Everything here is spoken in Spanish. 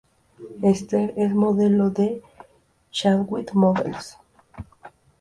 Esther es modelo de Chadwick Models.